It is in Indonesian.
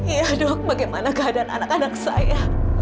iya dok bagaimana keadaan anak anak saya